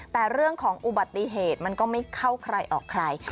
แต่เรื่องของอุบัติเหตุมันก็ไม่เข้าใครออกใคร